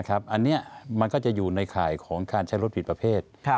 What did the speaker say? อันนี้มันก็จะอยู่ในข่ายของการใช้รถผิดประเภท